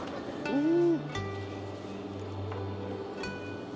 うん。